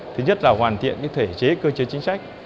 thứ nhất là hoàn thiện thể chế cơ chế chính sách